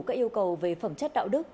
các yêu cầu về phẩm chất đạo đức